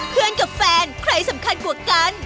เพื่อนกับแฟนใครสำคัญกว่ากัน